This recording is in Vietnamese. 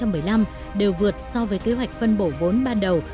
đều vượt so với kế hoạch phân bổ vốn ban đầu